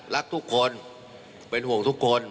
รักทุกคนเป็นห่วงทุกคน